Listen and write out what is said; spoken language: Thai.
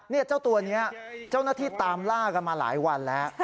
เจ้าตัวนี้เจ้าหน้าที่ตามล่ากันมาหลายวันแล้ว